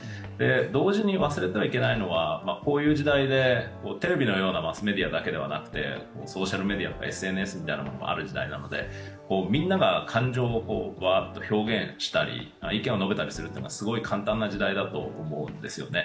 同時に忘れてはいけないのはこういう時代でテレビのようなマスメディアだけじゃなくてソーシャルメディア、ＳＮＳみたいなものもある時代なので、みんなが感情をわーっと表現したり、意見を述べたりするのがすごい簡単な時代だと思うんですよね。